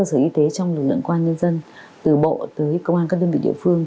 và các cơ sở y tế trong lực lượng quan nhân dân từ bộ tới công an các đơn vị địa phương